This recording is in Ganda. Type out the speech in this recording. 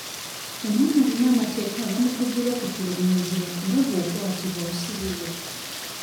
Omwana alina amateeka agamukugira okutulugunyizibwa era bw'okwatibwa osibibwa.